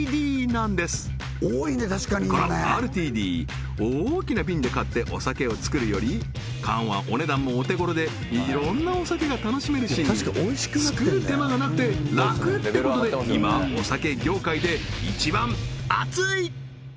ＲＴＤなんですこのＲＴＤ大きな瓶で買ってお酒を作るより缶はお値段もお手頃でいろんなお酒が楽しめるし作る手間がなくて楽ってことで今お酒業界で一番熱い！